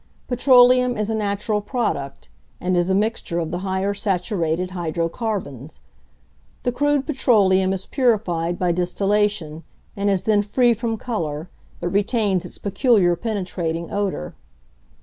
=Petroleum= is a natural product, and is a mixture of the higher saturated hydrocarbons. The crude petroleum is purified by distillation, and is then free from colour, but retains its peculiar penetrating odour.